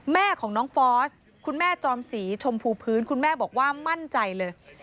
แม่ของน้องฟอสคุณแม่จอมศรีชมพูพื้นคุณแม่บอกว่ามั่นใจเลย